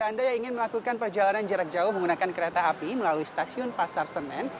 anda yang ingin melakukan perjalanan jarak jauh menggunakan kereta api melalui stasiun pasar senen